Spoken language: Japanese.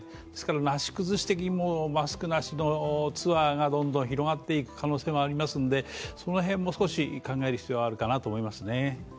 なし崩し的にマスクなしのツアーがどんどん広がっていく可能性もありますので、その辺も少し考える必要があるかなと思います。